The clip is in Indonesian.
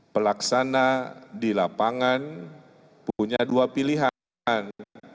pelaksana di lapangan punya dua pilihan